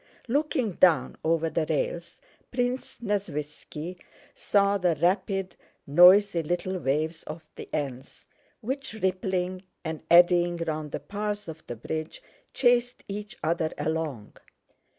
Looking down over the rails Prince Nesvítski saw the rapid, noisy little waves of the Enns, which rippling and eddying round the piles of the bridge chased each other along.